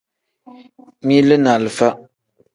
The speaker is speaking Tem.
Mili ni alifa.